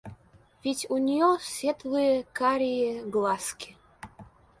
Ведь у нее светлые карие глазки.